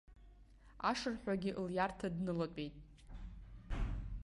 Ашырҳәагьы лиарҭа днылатәеит.